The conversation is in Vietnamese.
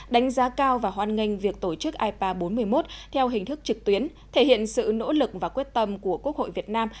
đánh giá cao và hoan nghênh việc tổ chức ipa bốn mươi một theo hình thức trực tuyến thể hiện sự nỗ lực và quyết tâm của quốc hội việt nam